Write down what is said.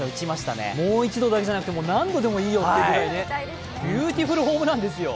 もう一度だけじゃなくて何度でもいいよってぐらいビューティフルホームランですよ。